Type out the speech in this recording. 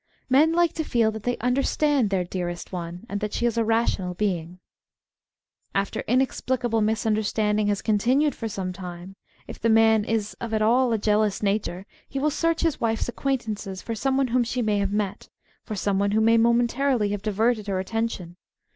Men like to feel that they understand their dearest one, and that she is a rational being. After inexplicable misunderstanding has continued for some time, if the man is of at all a jealous nature he will search his wife's acquaintances for someone whom she may have met, for someone who may momentarily have diverted her attention.